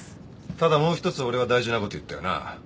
ただもう一つ俺は大事なこと言ったよな？